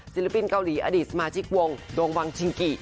ศิลปินเกาหลีอดีตสมาชิกวงดงวังชิงกิ